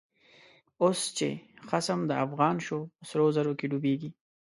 اوس چه خصم دافغان شو، په سرو زرو کی ډوبیږی